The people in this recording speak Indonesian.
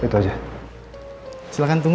minta lihat muda